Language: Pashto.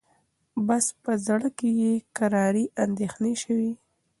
بس په زړه کي یې کراري اندېښنې سوې